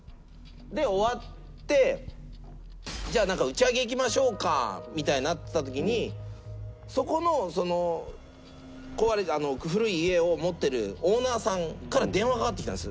で終わってじゃあ打ち上げ行きましょうかみたいになってた時にそこの壊れた古い家を持ってるオーナーさんから電話がかかってきたんです